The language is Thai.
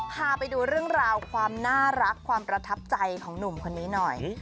พาไปดูเรื่องราวความน่ารักความประทับใจของหนุ่มคนนี้หน่อย